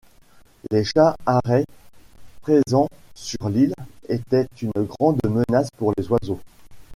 Les chats harets présents sur l’île étaient une grande menace pour les oiseaux.